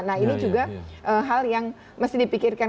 nah ini juga hal yang mesti dipikirkan